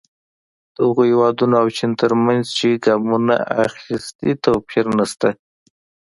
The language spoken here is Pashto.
د هغو هېوادونو او چین ترمنځ چې ګامونه اخیستي توپیر نه شته.